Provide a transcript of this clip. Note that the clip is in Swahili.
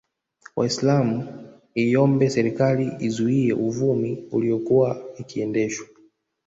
Waislamu iiombe serikali izuie uvumi uliyokuwa ikiendeshwa